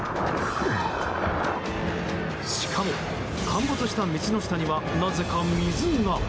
しかも、陥没した道の下にはなぜか水が。